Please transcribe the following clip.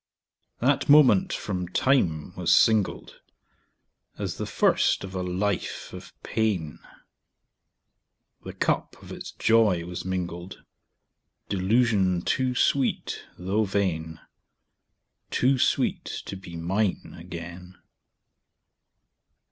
_10 3. That moment from time was singled As the first of a life of pain; The cup of its joy was mingled Delusion too sweet though vain! Too sweet to be mine again.